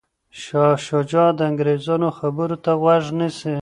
شاه شجاع د انګریزانو خبرو ته غوږ نیسي.